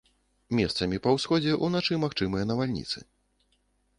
Месцамі па ўсходзе ўначы магчымыя навальніцы.